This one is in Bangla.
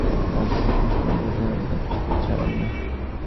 জান তো সতীশ, তিনি যা ধরেন তা কিছুতেই ছাড়েন না।